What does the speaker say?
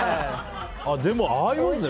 でも、合いますね。